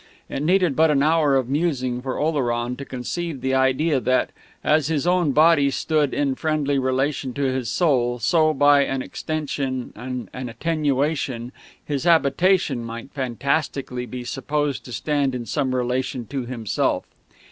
It needed but an hour of musing for Oleron to conceive the idea that, as his own body stood in friendly relation to his soul, so, by an extension and an attenuation, his habitation might fantastically be supposed to stand in some relation to himself.